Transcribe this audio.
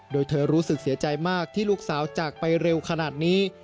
โดยเธอรู้สึกเสียใจมากที่ลูกสาวจากไปเร็วขนาดนี้